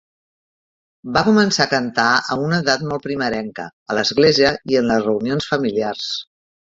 Va començar a cantar a una edat molt primerenca, a l'església i en les reunions familiars.